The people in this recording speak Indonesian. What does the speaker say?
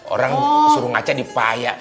orang suruh ngaca di paya